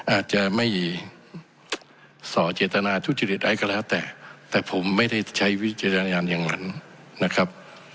อาจจะไม่สอเจตนาทุจริตอะไรก็แล้วแต่แต่ผมไม่ได้ใช้วิจารณญาณอย่างนั้นนะครับ